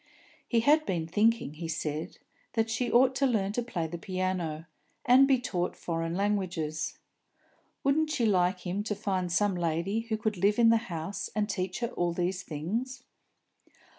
He had been thinking, he said, that she ought to learn to play the piano, and be taught foreign languages. Wouldn't she like him to find some lady who could live in the house and teach her all these things?